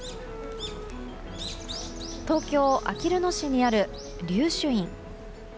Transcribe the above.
東京・あきる野市にある龍珠院。